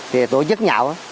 thì tổ chức nhạo